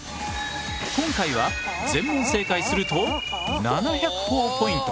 今回は全問正解すると７００ほぉポイント。